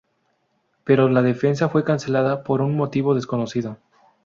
Pero la defensa fue cancelada por un motivo desconocido.